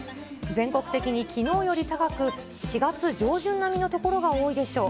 全国的にきのうより高く、４月上旬並みの所が多いでしょう。